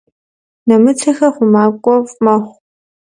Нэмыцэхьэр хъумакӏуэфӏ мэхъу.